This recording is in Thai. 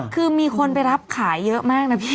คือมีคนไปรับขายเยอะมากนะพี่